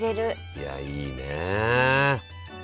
いやいいね。